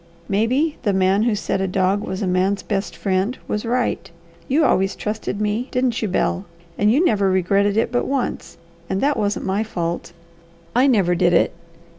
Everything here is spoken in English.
Maybe the man who said a dog was a man's best friend was right. You always trusted me, didn't you Bel? And you never regretted it but once, and that wasn't my fault. I never did it!